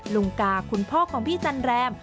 ลุงกาคุณพ่อของพี่จันแรม